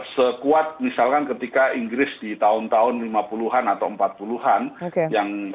sekuat misalkan ketika inggris di tahun tahun lima puluh an atau empat puluh an